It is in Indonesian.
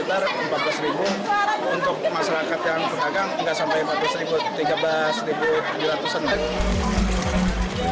untuk masyarakat yang pedagang tidak sampai rp empat belas rp tiga belas rp tiga belas